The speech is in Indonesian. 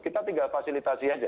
kita tinggal fasilitasi aja